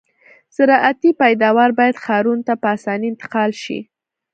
زراعتي پیداوار باید ښارونو ته په اسانۍ انتقال شي